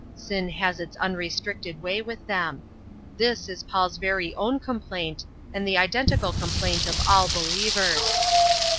Sin has its unrestricted way with them. This is Paul's very own complaint and the identical complaint of all believers.